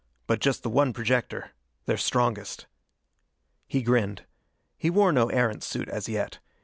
But just the one projector. Their strongest." He grinned. He wore no Erentz suit as yet.